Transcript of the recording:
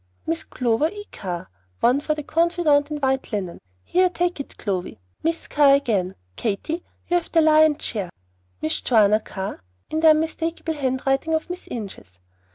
Miss Clover E. Carr, one for the 'Confidante in white linen.' Here, take it, Clovy. Miss Carr again. Katy, you have the lion's share. Miss Joanna Carr, in the unmistakable handwriting of Miss Inches.